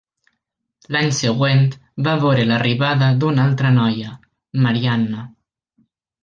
L'any següent va veure l'arribada d'una altra noia, Maria Anna.